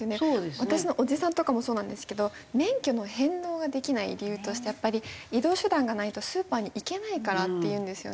私のおじさんとかもそうなんですけど免許の返納ができない理由としてやっぱり移動手段がないとスーパーに行けないからっていうんですよね。